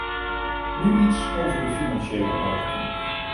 Nu iets over de financiële markten.